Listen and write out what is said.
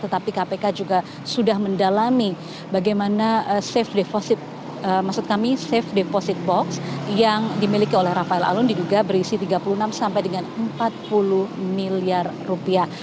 tetapi kpk juga sudah mendalami bagaimana safe deposit maksud kami safe deposit box yang dimiliki oleh rafael alun diduga berisi tiga puluh enam sampai dengan empat puluh miliar rupiah